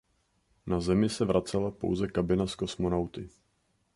Na Zemi se vracela pouze kabina s kosmonauty.